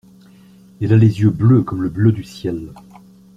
Elle a les yeux bleus comme le bleu du ciel.